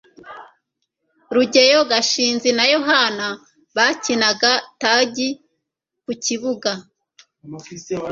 rugeyo, gashinzi na yohana bakinaga tagi ku kibuga